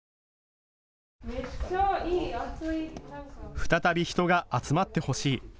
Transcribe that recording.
再び人が集まってほしい。